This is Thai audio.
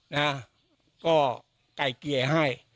นะฮะก็ไก่เกลี่ยให้